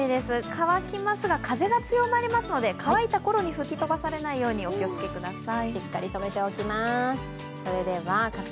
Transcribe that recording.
乾きますが風が強まりますので乾いたころに吹き飛ばされないようにお気をつけください。